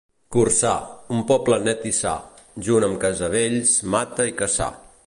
Corçà, un poble net i sa, junt amb Casavells, Mata i Cassà.